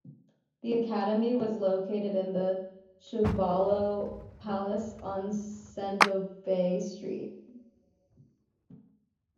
The academy was located in the Shuvalov Palace on Sadovaya Street.